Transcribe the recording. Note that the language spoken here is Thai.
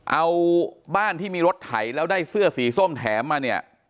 เอาบ้านที่มีรถไถแล้วได้เสื้อสีส้มแถมมาเนี่ย